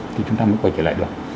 thì chúng ta mới coi trở lại được